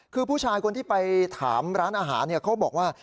คือผู้ชายคนที่ไปถามร้านอาหารเขาบอกว่า